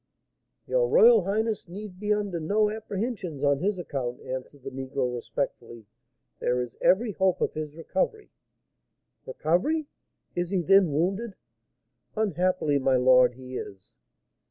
"Your royal highness need be under no apprehensions on his account," answered the negro, respectfully; "there is every hope of his recovery." "Recovery! He is, then, wounded?" "Unhappily, my lord, he is."